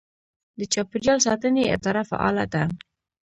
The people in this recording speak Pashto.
د چاپیریال ساتنې اداره فعاله ده.